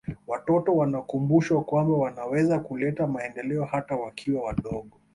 watoto wanakumbushwa kwamba wanaweza kuleta maendeleo hata wakiwa wadogo